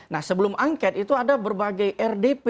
nah sebelum angket itu ada berbagai rdp